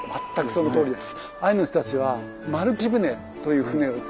そのとおりです。